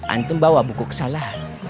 antum bawa buku kesalahan